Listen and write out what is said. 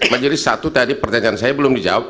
majelis satu tadi pertanyaan saya belum dijawab